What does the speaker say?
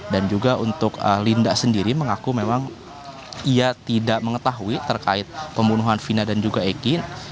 dan juga untuk linda sendiri mengaku memang ia tidak mengetahui terkait pembunuhan vina dan juga eki